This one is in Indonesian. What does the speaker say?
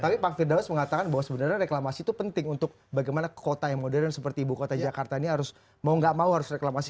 tapi pak firdaus mengatakan bahwa sebenarnya reklamasi itu penting untuk bagaimana kota yang modern seperti ibu kota jakarta ini harus mau gak mau harus reklamasi